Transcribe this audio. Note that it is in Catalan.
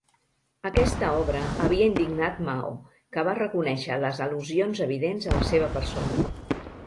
Aquesta obra havia indignat Mao, que va reconèixer les al·lusions evidents a la seva persona.